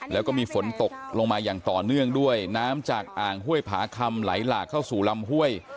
แล้วก็มีฝนตกลงมาอย่างต่อเนื่องด้วยน้ำจากอ่างห้วยผาคำไหลหลากเข้าสู่ลำห้วย